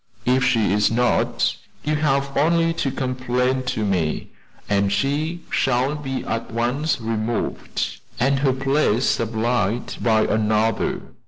If she is not, you have only to complain to me, and she shall be at once removed, and her place supplied by another.